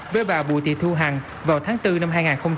với bà bùi thị thu hằng vào tháng bốn năm hai nghìn một mươi hai